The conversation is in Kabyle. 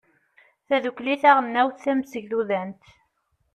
tadukli taɣelnawt tamsegdudant